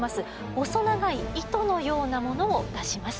細長い糸のようなものを出します。